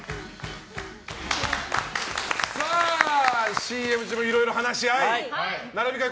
ＣＭ中もいろいろ話し合い並び替え